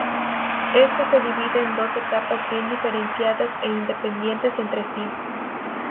Éste se divide en dos etapas bien diferenciadas e independientes entre sí.